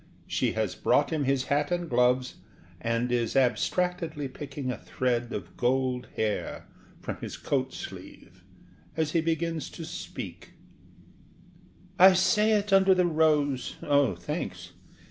SHE HAS BROUGHT HIM HIS HAT AND GLOVES, AND IS ABSTRACTEDLY PICKING A THREAD OF GOLD HAIR FROM HIS COAT SLEEVE AS HE BEGINS TO SPEAK: I say it under the rose oh, thanks!